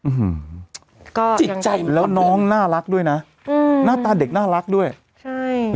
อืมก็จิตใจแล้วน้องน่ารักด้วยนะอืมหน้าตาเด็กน่ารักด้วยใช่